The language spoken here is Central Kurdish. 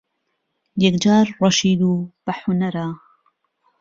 یەگجار ڕەشید و بە حو نەرە